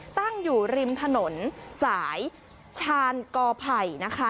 ตั้งอยู่ริมถนนสายชานกอไผ่นะคะ